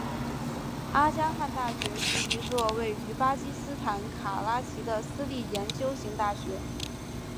阿迦汗大学是一座位于巴基斯坦卡拉奇的私立研究型大学。